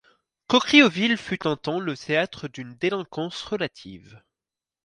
Caucriauville fut un temps le théâtre d'une délinquance relative.